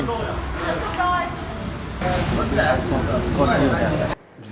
rụng lớn đa dạng các bản hàng